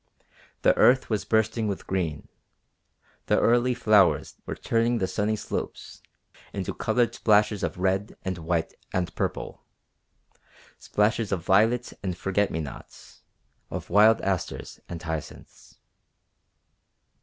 The earth was bursting with green; the early flowers were turning the sunny slopes into coloured splashes of red and white and purple splashes of violets and forget me nots, of wild asters and hyacinths.